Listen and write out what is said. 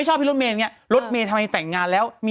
ไม่ชอบที่รถเมนรถเมนทำไมแต่งงานแล้ว